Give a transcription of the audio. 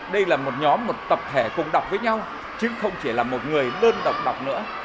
đây là một nhóm một tập thể cùng đọc với nhau chứ không chỉ là một người đơn đọc đọc nữa